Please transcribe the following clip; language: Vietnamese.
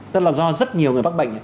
tức là do rất nhiều người bác bệnh